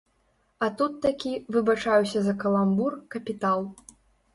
А тут такі, выбачаюся за каламбур, капітал.